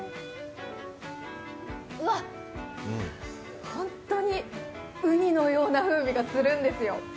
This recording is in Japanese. うわっ、本当にうにのような風味がするんですよ。